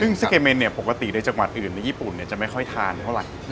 ซึ่งซิเกเมนเนี่ยปกติในจังหวัดอื่นในญี่ปุ่นจะไม่ค่อยทานเท่าไหร่